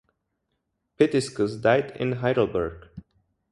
Pitiscus died in Heidelberg.